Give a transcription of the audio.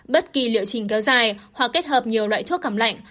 bất kỳ liệu trình kéo dài hoặc kết hợp nhiều loại thuốc cầm lạnh